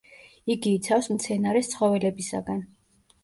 იგი იცავს მცენარეს ცხოველებისაგან.